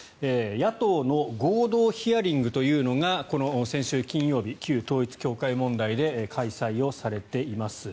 野党の合同ヒアリングというのがこの先週金曜日旧統一教会問題で開催をされています。